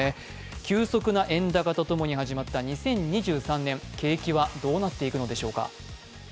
急速な円高とともに始まった２０２３年、景気はどうなっていくのでしょうか。